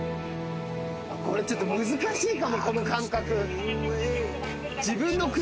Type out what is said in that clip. これちょっと難しいかもこの感覚。